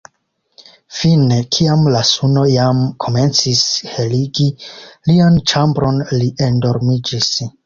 Fine, kiam la suno jam komencis heligi lian ĉambron li endormiĝis.